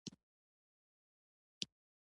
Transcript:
مثبتې نيوکې او سموونکی وړاندیز.